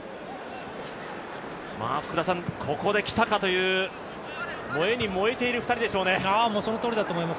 ここできたかという燃えに燃えている２人でしょうね。